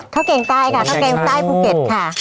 เกงใต้ค่ะข้าวแกงใต้ภูเก็ตค่ะ